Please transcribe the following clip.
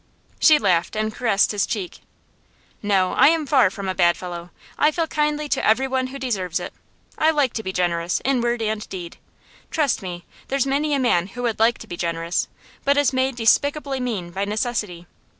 She laughed, and caressed his cheek. 'No, I am far from a bad fellow. I feel kindly to everyone who deserves it. I like to be generous, in word and deed. Trust me, there's many a man who would like to be generous, but is made despicably mean by necessity.